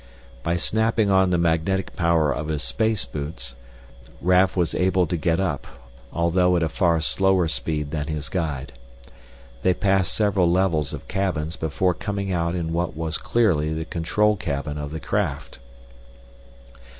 By snapping on the magnetic power of his space boots, Raf was able to get up, although at a far slower speed than his guide. They passed several levels of cabins before coming out in what was clearly the control cabin of the craft.